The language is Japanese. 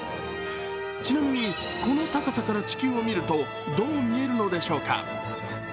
ちなみに、この高さから地球を見るとどう見えるのでしょうか。